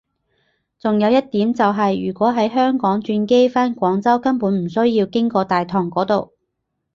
仲有一點就係如果喺香港轉機返廣州根本唔需要經大堂嗰度